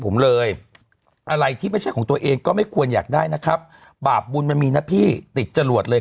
ไม่มีอะไรเลยเหตุการณ์ไม่มีอะไรเลย